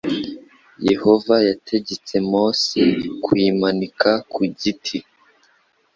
Yehova yategetse Mose kuyimanika ku giti